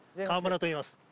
川村といいます。